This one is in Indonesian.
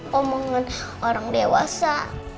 komongan orang dewasa